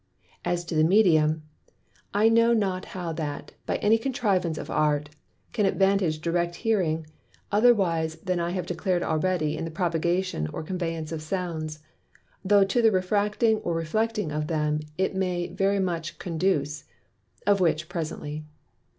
As to the Medium, I know not how that, by any contrivance of Art, can advantage Direct Hearing, otherwise than I have declar'd already in the propagation or conveyance of Sounds, though to the Refracting or Reflecting of them it may very much conduce; of which presently.